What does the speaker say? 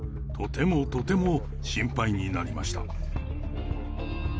とてもとても心配になりました。